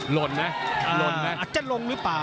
หล่นนะอาจจะลงหรือเปล่า